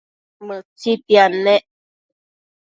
Mëtsitiad nec